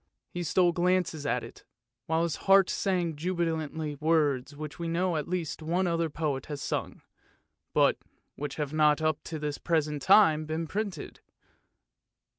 He stole glances at it, while his heart sang jubilantly words which we know at least one other poet has sung, but which have not up to the present time been printed.